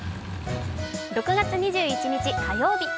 ６月２１日火曜日。